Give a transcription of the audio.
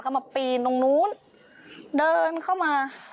ก็มาปีนตรงนู้นเข้ามา